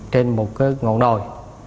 trên một ngọn nồi